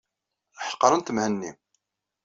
Ḥeqrent Mhenni.